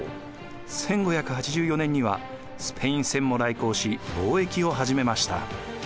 １５８４年にはスペイン船も来航し貿易を始めました。